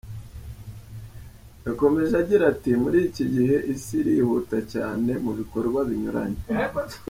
Yakomeje agira ati:” Muri iki gihe isi irihuta cyane mu bikorwa binyuranye.